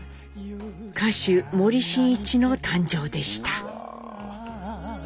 歌手森進一の誕生でした。